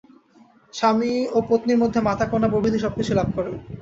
স্বামীও পত্নীর মধ্যে মাতা, কন্যা প্রভৃতি সবকিছু লাভ করে।